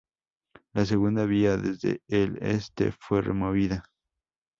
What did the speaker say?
La segunda vía desde el este fue removida.